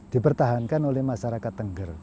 dipertahankan oleh masyarakat tengger